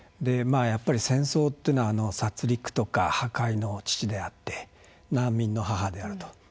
やっぱり戦争っていうのは殺りくとか破壊の父であって難民の母であると。